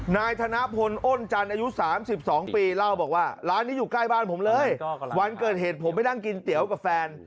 นายธนพลอ้นจันทร์อายุ๓๒ปีเล่าบอกว่าร้านนี้อยู่ใกล้บ้านผมเลยวันเกิดเหตุผมไปนั่งกินเตี๋ยวกับแฟน